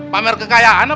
pamer kekayaan apa